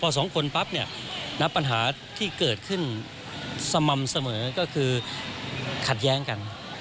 สองคนปั๊บเนี่ยณปัญหาที่เกิดขึ้นสม่ำเสมอก็คือขัดแย้งกัน